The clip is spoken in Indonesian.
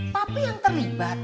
papi yang terlibat